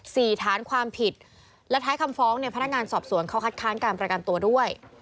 ฐานความผิดและท้ายคำฟ้องเนี่ยพนักงานสอบสวนเขาคัดค้านการประกันตัวด้วย